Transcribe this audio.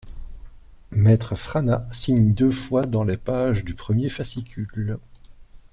Maître Frana signe deux fois dans les pages du premier fascicule.